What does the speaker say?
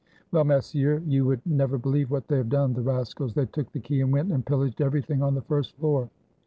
Well, messieurs, you would never believe what they have done, the rascals! They took the key and went and pillaged everything on the first floor!"